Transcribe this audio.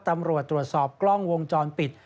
ตำรวจตรวจสอบกล้องวงจรปิด